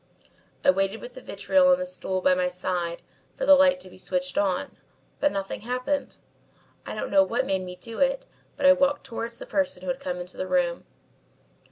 I waited with the vitriol on the stool by my side, for the light to be switched on, but nothing happened. I don't know what made me do it but I walked towards the person who had come into the room.